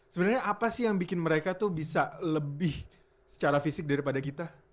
sebenarnya apa sih yang bikin mereka tuh bisa lebih secara fisik daripada kita